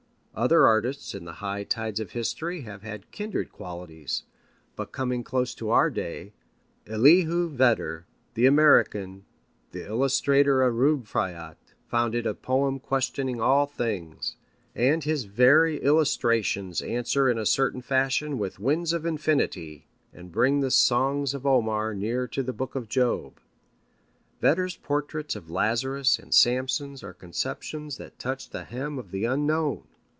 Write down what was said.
Other artists in the high tides of history have had kindred qualities, but coming close to our day, Elihu Vedder, the American, the illustrator of the Rubáiyát, found it a poem questioning all things, and his very illustrations answer in a certain fashion with winds of infinity, and bring the songs of Omar near to the Book of Job. Vedder's portraits of Lazarus and Samson are conceptions that touch the hem of the unknown.